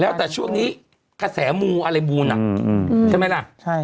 แล้วแต่ช่วงนี้กระแสมูอะไรมูนอ่ะใช่ไหมล่ะ